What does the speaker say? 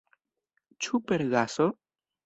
Ĉu per gaso?